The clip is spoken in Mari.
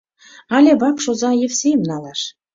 Але вакш оза Евсейым налаш.